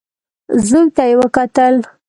زوی ته يې وکتل.